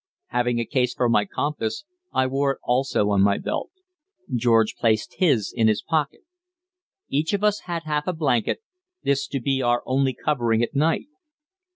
Having a case for my compass, I wore it also on my belt; George placed his in his pocket. Each of us had half a blanket, this to be our only covering at night.